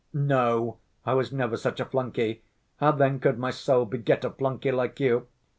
"No, I was never such a flunkey! How then could my soul beget a flunkey like you?"